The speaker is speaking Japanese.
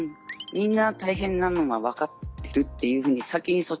みんな大変なのは分かってるっていうふうに先にそっちの方が。